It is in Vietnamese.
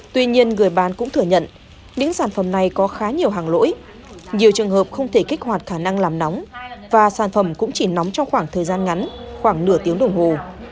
tuy nhiên người bán cũng thừa nhận những sản phẩm này có khá nhiều hàng lỗi nhiều trường hợp không thể kích hoạt khả năng làm nóng và sản phẩm cũng chỉ nóng trong khoảng thời gian ngắn khoảng nửa tiếng đồng hồ